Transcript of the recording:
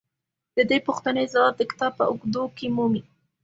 د دې پوښتنې ځواب د کتاب په اوږدو کې مومئ.